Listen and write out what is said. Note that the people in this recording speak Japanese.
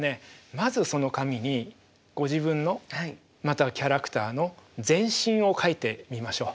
まずその紙にご自分のまたはキャラクターの全身を描いてみましょう。